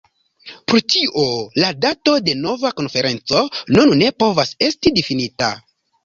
Pro tio la dato de nova konferenco nun ne povas esti difinita.